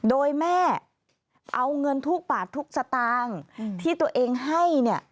โดยแม่เอาเงินทุกบาททุกสตางค์ที่ตัวเองให้เนี่ย